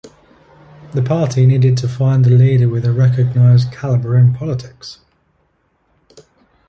The party needed to find a leader with a recognised calibre in politics.